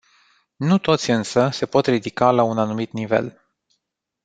Nu toți însă se pot ridica la un anumit nivel.